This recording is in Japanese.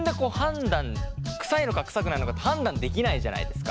臭いのか臭くないのかって判断できないじゃないですか。